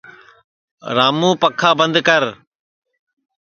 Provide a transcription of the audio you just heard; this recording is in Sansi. رامُوں پکھا بند کر